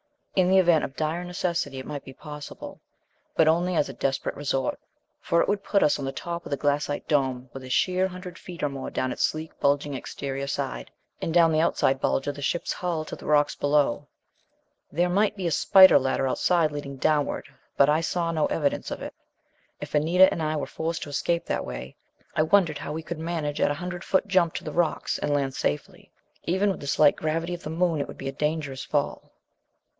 In the event of dire necessity it might be possible. But only as a desperate resort, for it would put us on the top of the glassite dome, with a sheer hundred feet or more down its sleek bulging exterior side, and down the outside bulge of the ship's hull, to the rocks below. There might be a spider ladder outside leading downward, but I saw no evidence of it. If Anita and I were forced to escape that way, I wondered how we could manage a hundred foot jump to the rocks, and land safely. Even with the slight gravity of the Moon, it would be a dangerous fall.